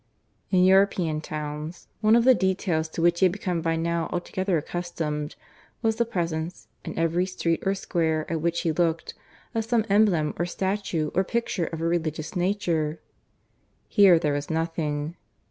In European towns, one of the details to which he had become by now altogether accustomed was the presence, in every street or square at which he looked, of some emblem or statue or picture of a religious nature. Here there was nothing.